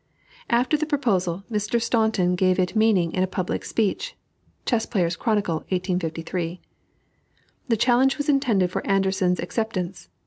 After the proposal, Mr. Staunton gave it meaning in a public speech (Chess Players' Chronicle, 1853) "The challenge was intended for Anderssen's acceptance.